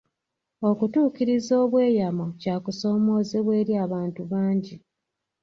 Okutuukiriza obweyamo kya kusoomoozebwa eri abantu bangi.